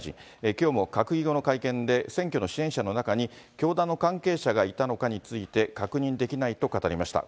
きょうも閣議後の会見で、選挙の支援者の中に、教団の関係者がいたのかについて確認できないと語りました。